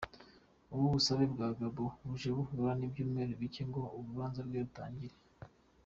Ubu busabe bwa Gbagbo buje habura ibyumweru bike ngo urubanza rwe rutangire.